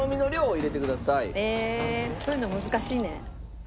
ええそういうの難しいね。